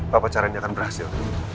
bapak caranya akan berhasil